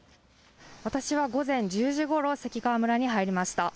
私は午前１０時ごろ、関川村に入りました。